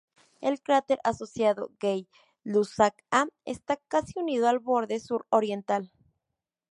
El cráter asociado "Gay-Lussac A" está casi unido al borde suroriental.